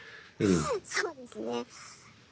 そうですね。